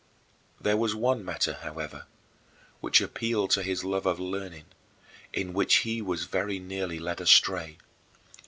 There was one matter, however, which appealed to his love of learning, in which he was very nearly led astray.